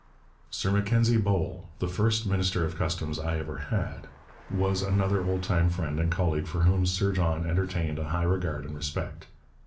Sir Mackenzie Bowell, 'the best Minister of Customs I ever had,' was another old time friend and colleague for whom Sir John entertained a high regard and respect.